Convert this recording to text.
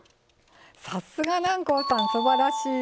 さすが南光さんすばらしい。